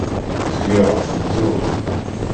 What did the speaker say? Zgiɣ tedduɣ.